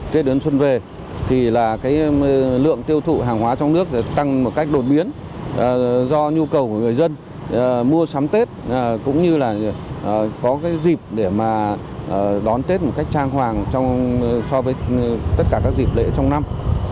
tết đến xuân về thì là cái lượng tiêu thụ hàng hóa trong nước tăng một cách đột biến do nhu cầu của người dân mua sắm tết cũng như là có cái dịp để mà đón tết một cách trang hoàng so với tất cả các dịp lễ trong năm